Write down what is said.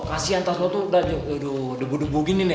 kasian tas lo tuh udah debu debu gini nih